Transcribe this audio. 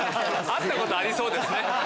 会ったことありそうですね